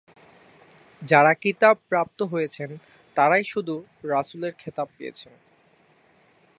যারা কিতাব প্রাপ্ত হয়েছেন তারাই শুধু রাসুলের খেতাব পেয়েছেন।